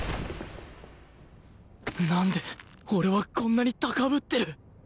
なんで俺はこんなに高ぶってる？